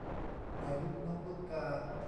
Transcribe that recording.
ปล่อยลูกนกลูกกา